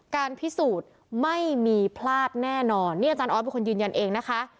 การพิสูจน์ไม่มีพลาดแน่นอนนี่อาจารย์ออสเป็นคนยืนยันเองนะคะ